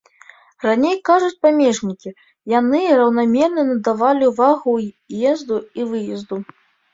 Раней, кажуць памежнікі, яны раўнамерна надавалі ўвагу ўезду і выезду.